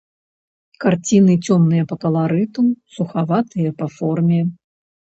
Карціны цёмныя па каларыту, сухаватыя па форме.